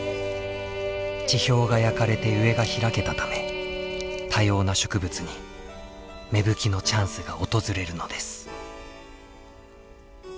地表が焼かれて上が開けたため多様な植物に芽吹きのチャンスが訪れるのです。